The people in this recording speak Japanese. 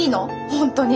本当に。